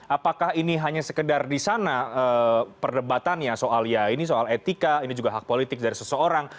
apakah ini hanya sekedar di sana perdebatannya soal ya ini soal etika ini juga hak politik dari seseorang